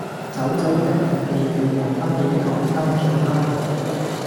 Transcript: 走走糴糴嘅嘢留返俾啲後生做啦